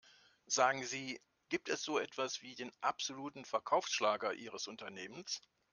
Sagen Sie, gibt es so etwas wie den absoluten Verkaufsschlager ihres Unternehmens?